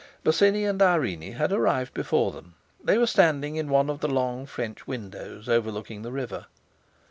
Bosinney and Irene had arrived before them. They were standing in one of the long French windows overlooking the river.